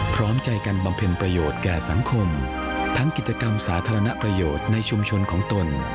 พร้อมใจกันบำเพ็ญประโยชน์แก่สังคมทั้งกิจกรรมสาธารณประโยชน์ในชุมชนของตน